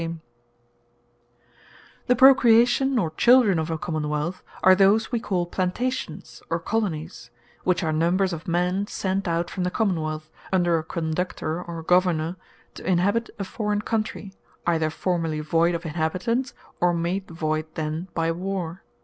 The Children Of A Common wealth Colonies The Procreation, or Children of a Common wealth, are those we call Plantations, or Colonies; which are numbers of men sent out from the Common wealth, under a Conductor, or Governour, to inhabit a Forraign Country, either formerly voyd of Inhabitants, or made voyd then, by warre.